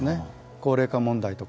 高齢化問題とか。